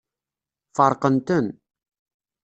Feṛqen-ten.